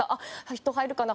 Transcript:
「人入るかな？